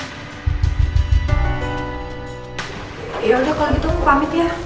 yaudah kalo gitu aku pamit ya